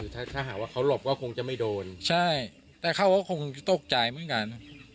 ถ้าถ้าหากว่าเขาหลบก็คงจะไม่โดนใช่แต่เขาก็คงจะตกใจเหมือนกัน